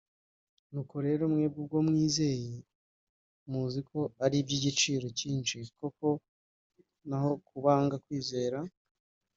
nuko rero, mwebwe ubwo mwizeye, muzi ko ari iby’igiciro cyinshi koko, naho ku banga kwizera,